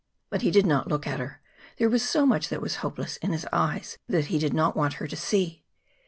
But he did not look at her. There was so much that was hopeless in his eyes that he did not want her to see.